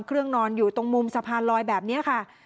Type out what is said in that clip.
นอนอยู่ตรงมุมสะพานลอยแบบนี้ค่ะ